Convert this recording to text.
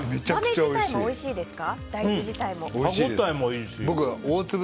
大豆自体もおいしいですか？